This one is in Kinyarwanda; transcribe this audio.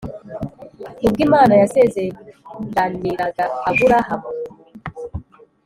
Ubwo Imana yasezeraniraga Aburahamu